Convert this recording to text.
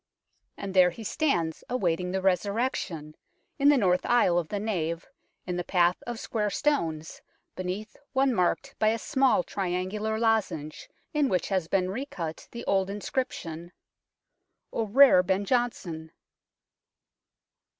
And there he stands awaiting the Resurrection, in the north aisle of the nave, in the path of square stones, beneath one marked by a small triangular lozenge, in which has been recut the old inscription " O rare Ben Johnson